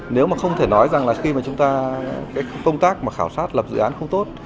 nếu mà không thể nói rằng là khi mà chúng ta cái công tác mà khảo sát lập dự án không tốt